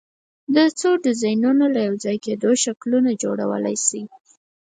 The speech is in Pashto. د څو ډیزاینونو له یو ځای کېدو شکلونه جوړولی شئ؟